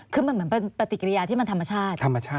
คือมันเหมือนเป็นปฏิกิริยาที่มันธรรมชาติ